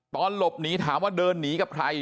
ตอนหลบหนีถามว่าเดินหนีกับใคร